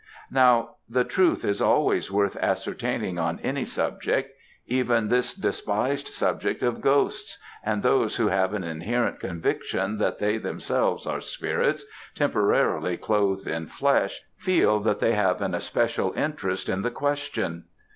Now, the truth is always worth ascertaining on any subject; even this despised subject of ghosts, and those who have an inherent conviction that they themselves are spirits, temporarily clothed in flesh, feel that they have an especial interest in the question.